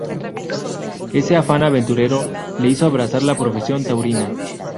Ese afán aventurero le hizo abrazar la profesión taurina.